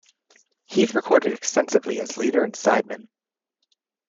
Heath recorded extensively as leader and sideman.